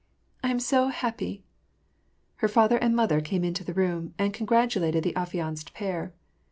" I am so happy." Her father and mother came into the room, and congrat ulated the affianced pair.